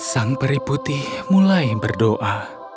sang peri putih mulai berdoa